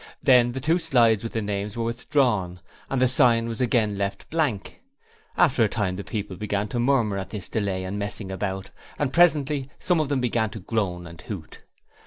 Then the two slides with the names were withdrawn, and the sign was again left blank. After a time the people began to murmur at all this delay and messing about, and presently some of them began to groan and hoot.